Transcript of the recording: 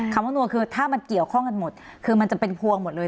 คำว่านวงคือถ้ามันเกี่ยวข้องกันหมดคือมันจะเป็นพวงหมดเลย